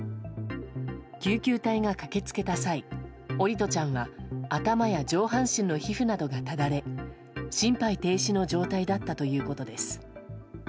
救急隊員が駆け付けた際桜利斗ちゃんは頭や上半身の皮膚などがただれ、心肺停止の状態だったということです。